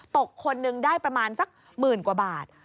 คนหนึ่งได้ประมาณสักหมื่นกว่าบาท